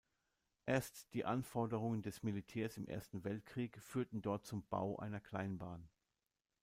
Erst die Anforderungen des Militärs im Ersten Weltkrieg führten dort zum Bau einer Kleinbahn.